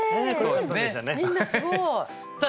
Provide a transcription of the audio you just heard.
みんなすごいさあ